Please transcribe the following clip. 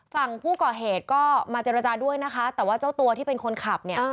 ฝั่งผู้ก่อเหตุก็มาเจรจาด้วยนะคะแต่ว่าเจ้าตัวที่เป็นคนขับเนี่ย